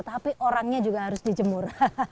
tapi orangnya juga harus dijemur